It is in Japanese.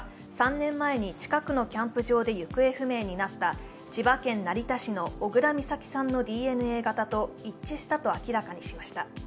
３年前に近くのキャンプ場で行方不明になった千葉県成田市の小倉美咲さんのＤＮＡ型と一致したと明らかにしました。